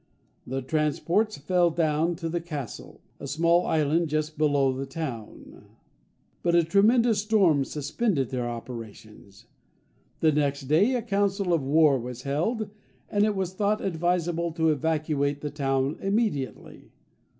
The transports fell down to the Castle, a small island just below the town; but a tremendous storm suspended their operations. The next day a council of war was held, and it was thought advisable to evacuate the town immediately.